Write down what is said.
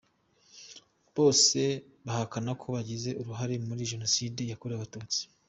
Bose bahakana ko bagize uruhare muri Jenoside yakorewe Abatutsi.